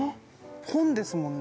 「本」ですもんね